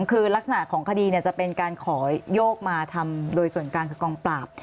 คือลักษณะของคดีจะเป็นการขอโยกมาทำโดยส่วนกลางคือกองปราบ